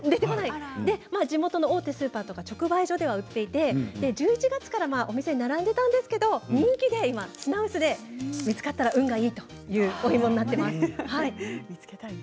地元の大手スーパーとか直売所では売っていて１１月からお店に並んでいたんですけど人気で今、品薄で見つかったら運がいいというお芋になっています。